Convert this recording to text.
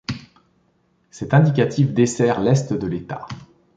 Cet indicatif dessert l'est de l'État.